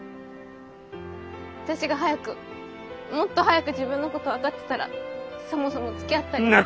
私が早くもっと早く自分のこと分かってたらそもそもつきあったり。